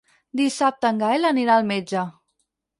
Dissabte en Gaël anirà al metge.